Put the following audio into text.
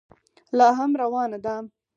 لا هم روانه ده.